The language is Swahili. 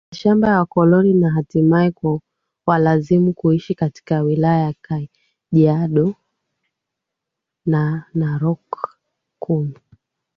mashamba ya wakoloni na hatimaye kuwalazimu kuishi katika wilaya ya Kajiado na Narok Kumi